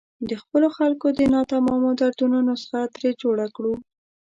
د خپلو خلکو د ناتمامو دردونو نسخه ترې جوړه کړو.